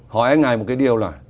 họ e ngại một cái điều là